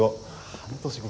半年後！？